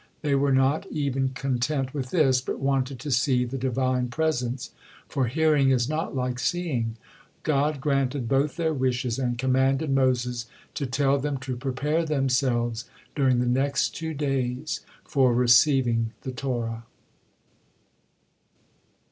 They were not even content with this, but wanted to see the Divine presence, for "hearing is not like seeing." God granted both their wishes, and commanded Moses to tell them to prepare themselves during the next two days for receiving the Torah.